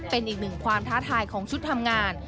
เป็นอีกหนึ่งความท้าทายของชุดทำงาน